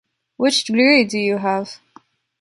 Which degree do you have?